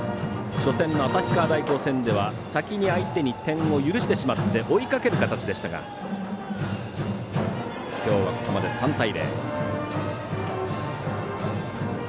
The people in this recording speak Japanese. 初戦の旭川大高戦では先に相手に点を許してしまって追いかける形でしたが今日はここまで３対０。